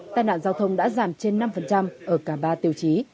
tai nạn giao thông đã giảm trên năm ở cả ba tiêu chí